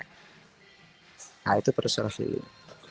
nah itu perusahaan